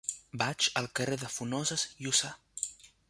Vaig al carrer de Funoses Llussà.